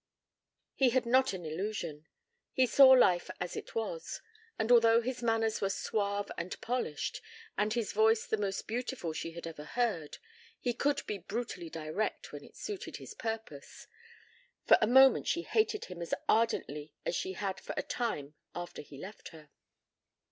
He had not an illusion. He saw life as it was, and although his manners were suave and polished, and his voice the most beautiful she had ever heard, he could be brutally direct when it suited his purpose. For a moment she hated him as ardently as she had for a time after he left her.